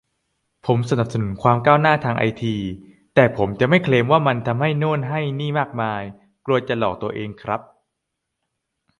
ผมสนับสนุนความก้าวหน้าทางไอที แต่ผมจะไม่เคลมว่ามันทำให้โน่นให้นี่มากมาย กลัวจะหลอกตัวเองครับ